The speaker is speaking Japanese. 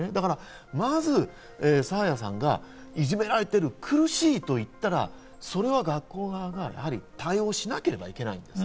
まず爽彩さんがいじめられている、苦しいと言ったら、それは学校側が対応をしなければいけないんです。